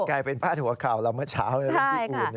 กลายเป็นภาพหัวข่าวเราเมื่อเช้าพี่อู๋นเนี่ย